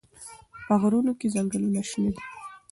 په غرونو کې ځنګلونه شنه دي.